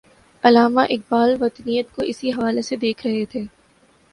علامہ اقبال وطنیت کو اسی حوالے سے دیکھ رہے تھے۔